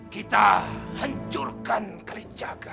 kita hancurkan kalijaga